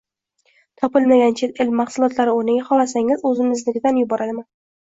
«topilmagan chet el mahsulotlari o'rniga xohlasangiz, o'zimiznikidan yuboraman!